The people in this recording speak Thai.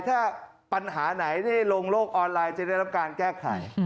ถ้าปัญหาไหนได้ลงโลกออนไลน์จะได้รับการแก้ไข